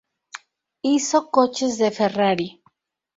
Hizo coches de Ferrari.